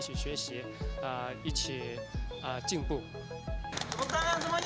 semua tangan semuanya